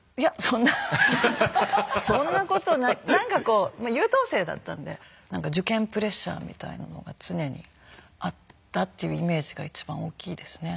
なんかこうまあ優等生だったんでなんか受験プレッシャーみたいなのが常にあったっていうイメージが一番大きいですね。